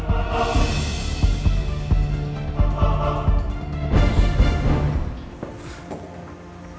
ini pasti ulahnya elsa